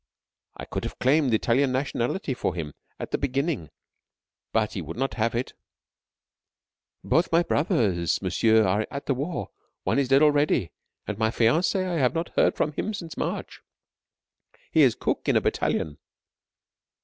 I could have claimed Italian nationality for him at the beginning, but he would not have it." ... "Both my brothers, monsieur, are at the war. One is dead already. And my fiance, I have not heard from him since March. He is cook in a battalion."